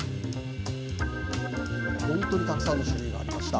本当にたくさんの種類がありました。